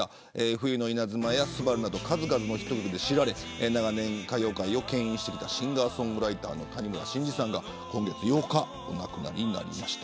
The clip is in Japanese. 冬の稲妻や昴など数々のヒット曲で知られ長年、歌謡界をけん引してきたシンガーソングライターの谷村新司さんが今月８日お亡くなりになりました。